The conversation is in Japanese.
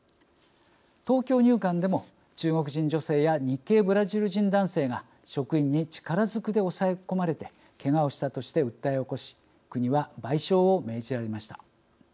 東京入管でも、中国人女性や日系ブラジル人男性が職員に力づくで抑え込まれてけがをしたとして訴えを起こし国は賠償を命じられました。